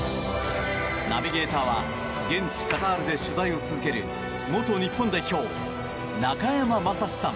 ナビゲーターは現地カタールで取材を続ける元日本代表・中山雅史さん。